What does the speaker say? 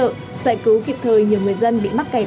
trợ giải cứu kịp thời nhiều người dân bị mắc kẹt